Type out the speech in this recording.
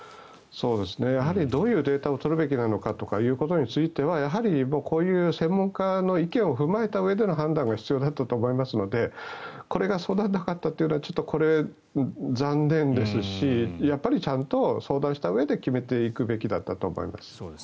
やはりどういうデータを取るべきなのかということについてはやはりこういう専門家の意見を踏まえたうえでの判断が必要だと思いますのでこれが相談がなかったというのは残念ですしやっぱりちゃんと相談したうえで決めていくべきだったと思います。